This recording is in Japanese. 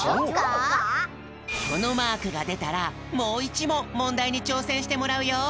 このマークがでたらもう１もんもんだいにちょうせんしてもらうよ。